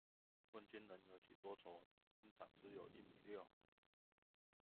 問君能有幾多愁，兵長只有一米六